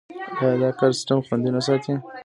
آیا دا کار سیستم خوندي نه ساتي؟